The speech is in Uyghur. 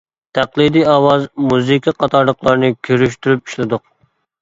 تەقلىدىي ئاۋاز، مۇزىكا قاتارلىقلارنى كىرىشتۈرۈپ ئىشلىدۇق.